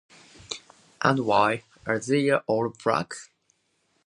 And why are they all black?